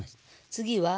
次は。